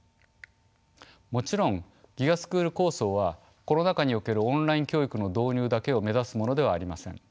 もちろんＧＩＧＡスクール構想はコロナ禍におけるオンライン教育の導入だけを目指すものではありません。